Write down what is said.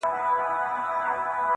شیطانانو په تیارو کي شپې کرلي-